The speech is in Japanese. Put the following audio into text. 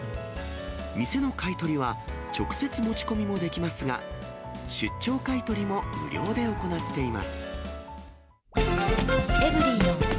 店の買い取りは、直接持ち込みもできますが、出張買い取りも無料で行っています。